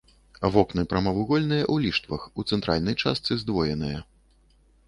Вокны прамавугольныя ў ліштвах, у цэнтральнай частцы здвоеныя.